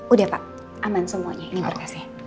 udah pak aman semuanya ini berkasnya